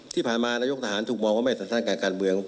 ที่ผ่านมานายกทหารถูกมองว่าไม่สัดสั้นกับการเมือง